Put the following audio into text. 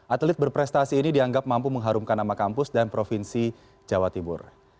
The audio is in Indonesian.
atlet berprestasi ini dianggap mampu mengharumkan nama kampus dan provinsi jawa timur